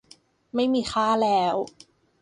ไม่มีค่าแล้ว